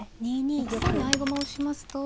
今１三に合駒をしますと。